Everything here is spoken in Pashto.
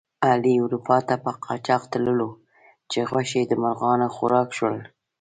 علي اروپا ته په قاچاق تللو چې غوښې د مرغانو خوراک شولې.